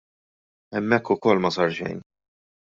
Hemmhekk ukoll ma sar xejn.